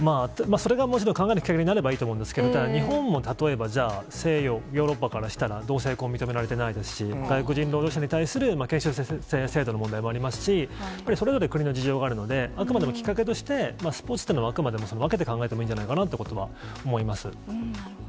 それがもちろん考えるきっかけになればいいと思うんですけれども、日本も例えばじゃあ、西洋、ヨーロッパからしたらどう成婚認められてないですし、外国人労働者に対する検閲制度の問題もありますし、それぞれ国の事情がありますので、あくまでもきっかけとして、スポーツというのはあくまでも分けて考えてもいいんじゃないかなということは思います。